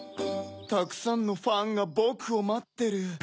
たくさんのファンがぼくをまってる。